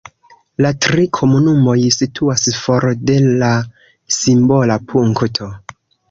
La tri komunumoj situas for de la simbola punkto.